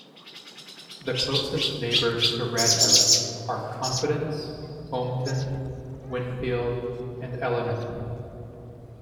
The closest neighbors to Red House are Confidence, Hometown, Winfield, and Eleanor.